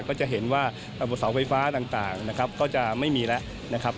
ก็จะเห็นว่าเสาไฟฟ้าต่างนะครับก็จะไม่มีแล้วนะครับ